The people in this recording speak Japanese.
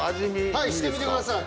はいしてみてください。